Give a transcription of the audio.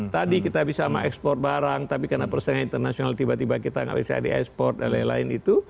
tadi kita bisa mengekspor barang tapi karena persaingan internasional tiba tiba kita nggak bisa di ekspor dan lain lain itu